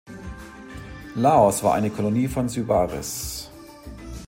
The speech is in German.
Laos war eine Kolonie von Sybaris.